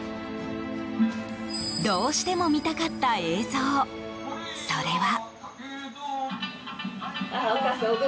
どうしても見たかった映像それは。